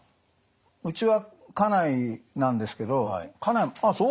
うちは家内なんですけど家内も「あっそう。